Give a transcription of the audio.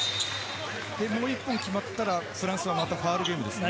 もう１本決まったらフランスはまたファウルゲームですね。